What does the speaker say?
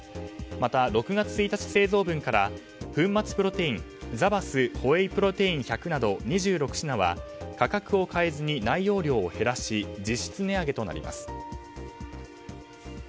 また、６月１日製造分から粉末プロテインザバスホエイプロテイン１００など２６品は、価格を変えずに内容量を減らし実質値上げとなります。